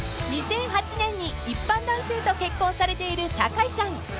［２００８年に一般男性と結婚されている酒井さん］